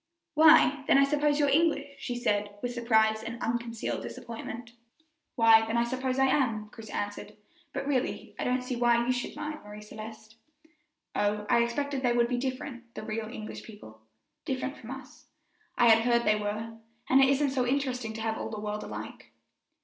"Why, then, I suppose you're English," she said, with surprise and unconcealed disappointment. "Why, then, I suppose I am," Chris answered; "but really, I don't see why you should mind, Marie Celeste." "Oh, I expected they would be different, the real English people different from us. I had heard they were, and it isn't so interesting to have all the world alike."